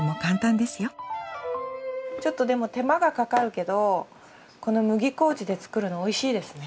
ちょっとでも手間がかかるけどこの麦麹で作るのおいしいですね。